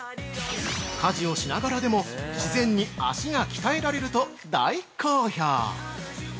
家事をしながらでも自然に足が鍛えられると大好評！